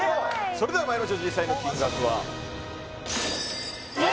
それではまいりましょう実際の金額はいやっ！